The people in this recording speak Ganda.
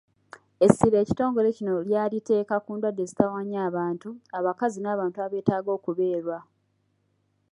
Essira ekitongole kino lyaliteeka ku ndwadde ezitawaanya abantu, abakazi n’abantu abeetaaga okubeerwa.